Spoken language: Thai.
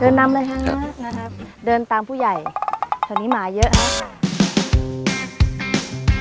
เดินนำเลยครับนะครับเดินตามผู้ใหญ่ตอนนี้หมาเยอะนะครับ